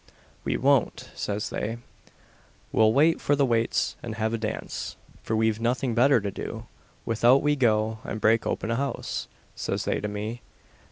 "We won't," says they "we'll wait for the waits and have a dance, for we've nothing better to do without we go and break open a house!" says they to me.